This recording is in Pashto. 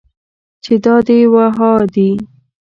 چې دا دي و ها دي.